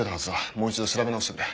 もう一度調べ直してくれ。